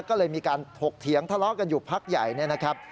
ก็เลยมีการถกเถียงทะเลาะกันอยู่พักใหญ่เนี่ยนะครับ